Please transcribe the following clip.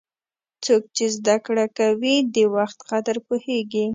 څوک چې زده کړه کوي، د وخت قدر پوهیږي.